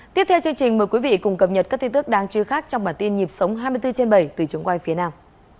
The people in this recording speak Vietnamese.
tiếp theo chương trình mời quý vị cùng cập nhật các tin tức đang truy khắc trong bản tin nhịp sống hai mươi bốn trên bảy từ trường quay phía nam